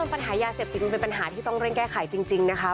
ปัญหายาเสพติดมันเป็นปัญหาที่ต้องเร่งแก้ไขจริงนะคะ